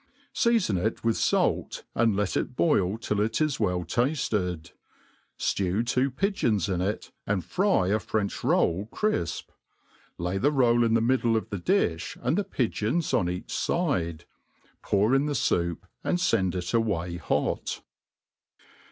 Seafoii it with fait, and let it boil till it is well tafted, ftew two pigeons in it, and fry a French roll crifp; lay the roll in the middle of the di(h, and the pigeons on each fide j pour in the fou|>, and fend it away hot.